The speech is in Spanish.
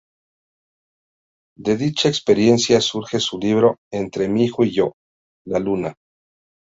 De dicha experiencia surge su libro "Entre mi hijo y yo, la Luna".